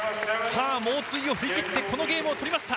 猛追を振り切ってこのゲームを取りました。